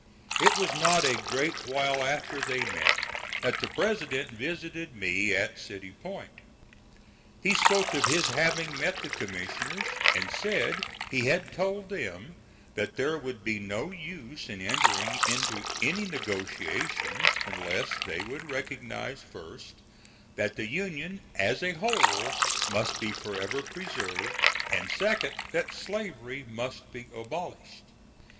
It was not a great while after they met that the President visited me at City Point. He spoke of his having met the commissioners, and said he had told them that there would be no use in entering into any negotiations unless they would recognize, first: that the Union as a whole must be forever preserved, and second: that slavery must be abolished.